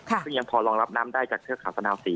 หรือยังพอรองรับน้ำได้จากเครื่องขาวสะนาวศรี